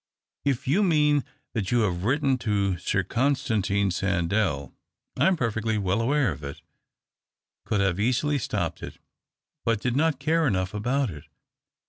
If you mean that you have written to Sir Constantine Sandell, I am perfectly well aware of it — could have easily stopped it, but did not care enough about it.